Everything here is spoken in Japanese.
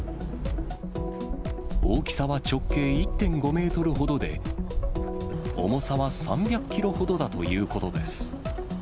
大きさは直径１．５メートルほどで、重さは３００キロほどだということです。